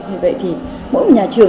nhà trường vậy thì mỗi một nhà trường